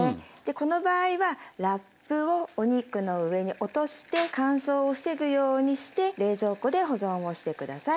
この場合はラップをお肉の上に落として乾燥を防ぐようにして冷蔵庫で保存をして下さい。